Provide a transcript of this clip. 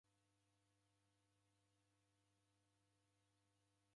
Kukuaw'uya kuche na mariw'a